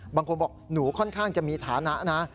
บางคนบอกหนูค่อนข้างจะมีฐานะนะ